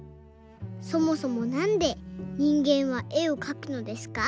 そもそもなんで人間は絵をかくのですか？